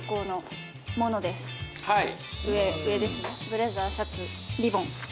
ブレザーシャツリボンです。